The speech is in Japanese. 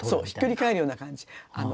ひっくり返るような感じ。